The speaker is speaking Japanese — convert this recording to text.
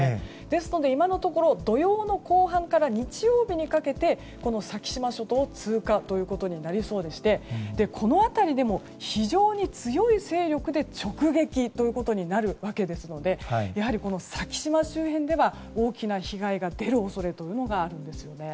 ですので、今のところ土曜の後半から日曜日にかけて先島諸島を通過ということになりそうでしてこの辺りでも非常に強い勢力で直撃ということになるわけですのでやはり、先島周辺では多くの被害が出る恐れがあります。